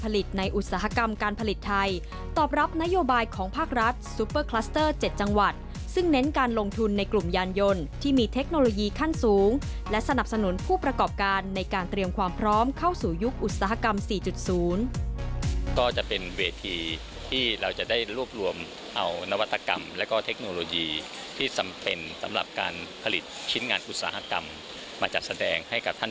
ในอุตสาหกรรมการผลิตไทยตอบรับนโยบายของภาครัฐซูเปอร์คลัสเตอร์๗จังหวัดซึ่งเน้นการลงทุนในกลุ่มยานยนต์ที่มีเทคโนโลยีขั้นสูงและสนับสนุนผู้ประกอบการในการเตรียมความพร้อมเข้าสู่ยุคอุตสาหกรรม๔๐ก็จะเป็นเวทีที่เราจะได้รวบรวมเอานวัตกรรมแล้วก็เทคโนโลยีที่จำเป็นสำหรับการผลิตชิ้นงานอุตสาหกรรมมาจัดแสดงให้กับท่าน